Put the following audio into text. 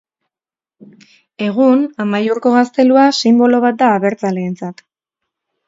Egun, Amaiurko gaztelua sinbolo bat da abertzaleentzat.